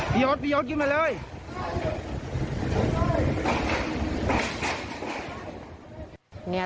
พี่โอ๊ตพี่โอ๊ตยืนมาเลย